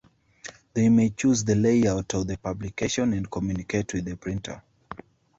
They may choose the layout of the publication and communicate with the printer.